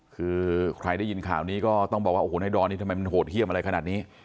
คือใครได้ยินข่าวนี้ก็ต้องบอกว่าโอ้โหในดอนนี่ทำไมมันโหดเยี่ยมอะไรขนาดนี้